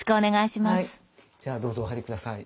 じゃあどうぞお入り下さい。